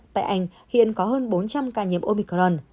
tại anh hiện có hơn bốn trăm linh ca nhiễm omicron